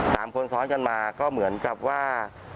สามคนซ้อนกันมาก็เหมือนกับว่า